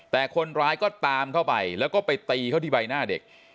แต่คนร้ายก็ตามเข้าไปแล้วก็ไปตีเขาที่ใบหน้าเด็ก